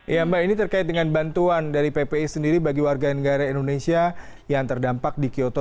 ya mbak ini terkait dengan bantuan dari ppi sendiri bagi warga negara indonesia yang terdampak di kyoto